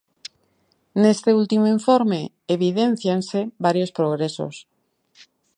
Neste último informe evidéncianse varios progresos.